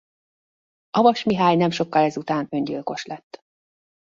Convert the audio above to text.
Avas Mihály nem sokkal ezután öngyilkos lett.